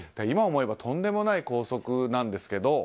今思えばとんでもない校則なんですけど。